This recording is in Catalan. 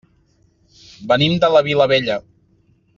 Venim de la Vilavella.